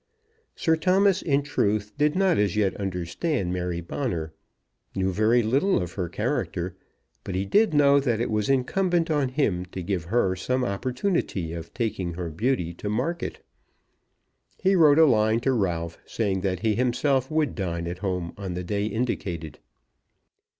Sir Thomas, in truth, did not as yet understand Mary Bonner, knew very little of her character; but he did know that it was incumbent on him to give her some opportunity of taking her beauty to market. He wrote a line to Ralph, saying that he himself would dine at home on the day indicated.